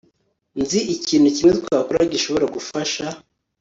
Nzi ikintu kimwe twakora gishobora gufasha